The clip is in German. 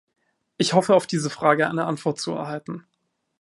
Ich hoffe, auf diese Frage eine Antwort zu erhalten.